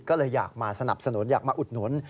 ก็เลยอยากมาสนับสนุนอยากมาอุดหนุน